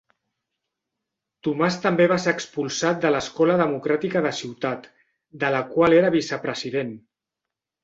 Tomàs també va ser expulsat de l'Escola Democràtica de Ciutat, de la qual era vicepresident.